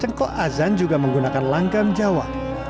cengkok azan juga menggunakan langgam jawa